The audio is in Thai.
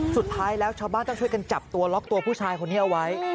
สุดท้ายแล้วชาวบ้านต้องช่วยกันจับตัวล็อกตัวผู้ชายคนนี้เอาไว้